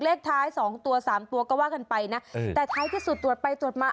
เลขท้ายสองตัวสามตัวก็ว่ากันไปนะแต่ท้ายที่สุดตรวจไปตรวจมา